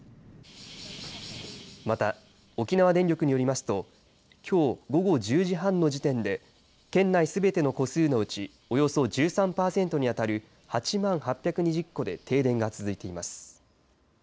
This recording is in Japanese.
また、沖縄電力によりますときょう午後１０時半の時点で県内すべての戸数のうちおよそ１３パーセントに当たる８万８２０戸で停電が続いています。